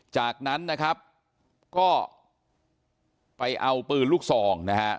จากนั้นนะครับก็ไปเอาปืนลูกซองนะฮะ